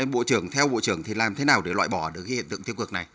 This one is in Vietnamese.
bộ trưởng theo bộ trưởng thì làm thế nào để loại bỏ được cái hiện tượng thiếu cược này